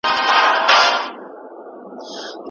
ناروغان بې پوښتني نه پرېښودل کېږي.